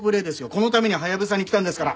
このためにハヤブサに来たんですから！